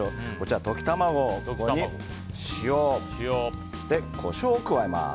溶き卵に塩、そしてコショウを加えます。